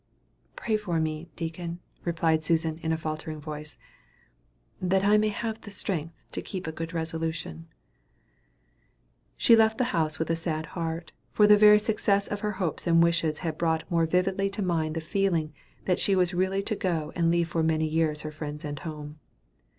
"Pray for me, deacon," replied Susan in a faltering voice, "that I may have strength to keep a good resolution." She left the house with a sad heart; for the very success of her hopes and wishes had brought more vividly to mind the feeling that she was really to go and leave for many years her friends and home.